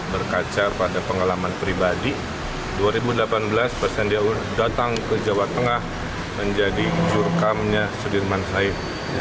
berkaca pada pengalaman pribadi dua ribu delapan belas pak sandiaga uno datang ke jawa tengah menjadi jurkamnya sudirman said